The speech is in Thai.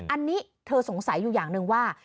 อันนี้เธอสงสัยอยู่อย่างหนึ่งว่า